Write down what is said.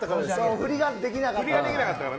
振りができなかった。